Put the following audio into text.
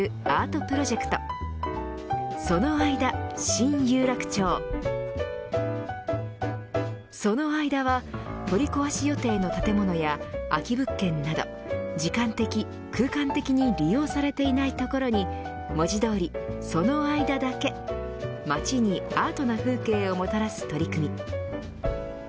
新有楽町ソノアイダは取り壊し予定の建物や空き物件など時間的空間的に利用されていないところに文字通りその間だけ街にアートな風景をもたらす取り組み。